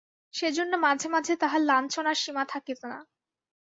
সেজন্য মাঝে মাঝে তাহার লাঞ্ছনার সীমা থাকিত না।